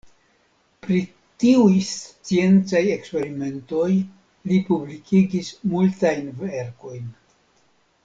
Pri tiuj sciencaj eksperimentoj li publikigis multajn verkojn.